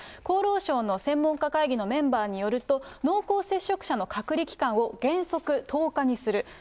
厚労省の専門家会議のメンバーによると、濃厚接触者の隔離期間を原則１０日にする。